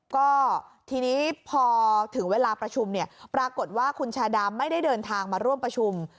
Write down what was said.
ก็ทีนี้พอถึงเวลาประชุมเนี่ยปรากฏว่าคุณชาดาไม่ได้เดินทางมาร่วมประชุม